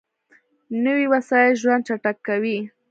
نوې وسایط ژوند چټک کوي